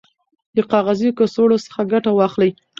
د کاغذي کڅوړو څخه ګټه واخلئ.